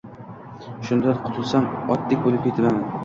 Shundan qutulsam otdek bo‘lib ketaman